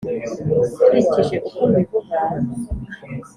nkurikije uko mbivuga,